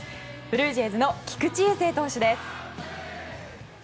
ブルージェイズの菊池雄星投手です。